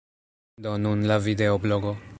Do nun la videoblogo.